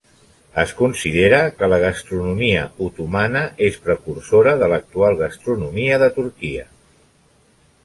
Es considera que la gastronomia otomana és precursora de l'actual gastronomia de Turquia.